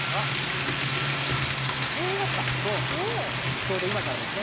ちょうど今からですね。